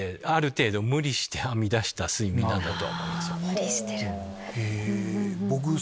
無理してる。